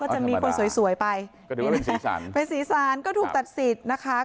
จะมีคนสวยสวยไปก็ถือว่าเป็นสีสันเป็นสีสันก็ถูกตัดสิทธิ์นะคะ